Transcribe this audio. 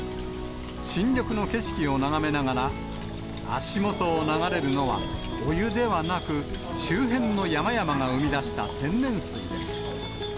新緑の景色を眺めながら、足元を流れるのはお湯ではなく、周辺の山々が生み出した天然水です。